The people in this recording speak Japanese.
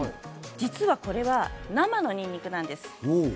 実はこれは生のにんにくなんです。